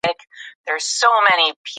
هلک په زوره خندا سره بېرته خونې ته ننوت.